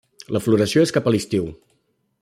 La floració és cap a l'estiu.